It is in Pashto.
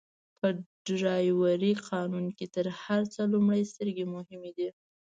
په ډرایورۍ قانون کي تر هر څه لومړئ سترګي مهمه دي.